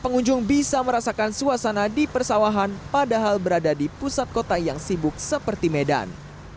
pengunjung bisa merasakan suasana di persawahan padahal berada di pusat kota yang sibuk seperti medan